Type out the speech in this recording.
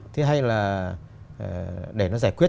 thứ hai là để nó giải quyết